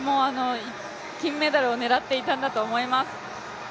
金メダルを狙っていたんだと思います。